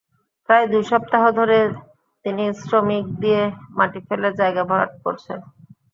প্রায় দুই সপ্তাহ ধরে তিনি শ্রমিক দিয়ে মাটি ফেলে জায়গা ভরাট করছেন।